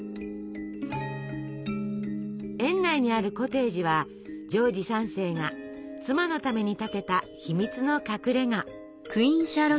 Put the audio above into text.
園内にあるコテージはジョージ３世が妻のために建てた秘密の隠れが。